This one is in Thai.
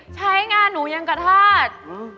ใช้งานหนูอย่างกระทาด